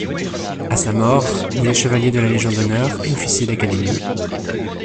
À sa mort, il est chevalier de la Légion d'honneur et officier d'Académie.